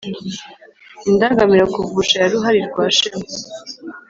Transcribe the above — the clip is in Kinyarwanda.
.Indangamira kuvusha ya Ruhalirwashema,